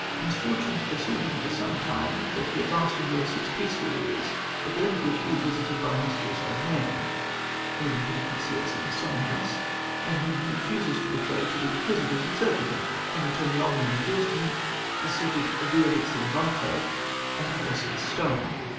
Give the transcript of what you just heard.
Misfortunes pursue him for some time, but he at last enjoys six peaceful years, at the end of which he is visited by a mysterious old man, whom he conceals in a summer house, and whom he refuses to betray to the Inquisitors in search of him. In return the old man reveals to him the secret of the elixir vitæ, and of the philosopher's stone.